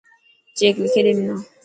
چيڪ لکي ڏي منا.